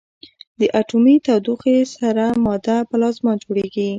د اټومي تودوخې سره ماده پلازما جوړېږي.